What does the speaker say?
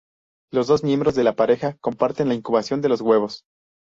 Los dos miembros de la pareja comparten la incubación de los huevos.